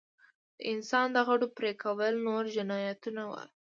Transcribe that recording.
د انسان د غړو پرې کول نور جنایتونه وو.